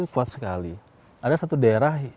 kuat sekali ada satu daerah